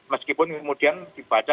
meskipun kemudian dibaca